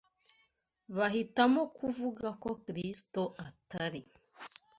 Bahitamo kuvuga ko Kristo atari